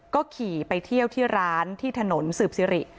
ก็ขี่ไปเที่ยวที่ร้านที่ถนนสืบสิริ